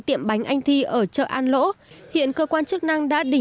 xin chào và hẹn gặp lại